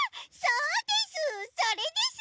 それです！